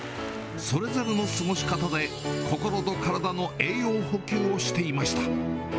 それぞれの過ごし方で心と体の栄養補給をしていました。